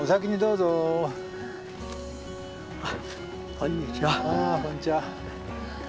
こんにちは。